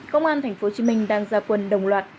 công an tp hcm đang ra quân đồng loạt